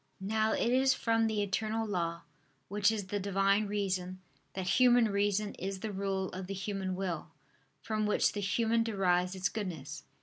Now it is from the eternal law, which is the Divine Reason, that human reason is the rule of the human will, from which the human derives its goodness.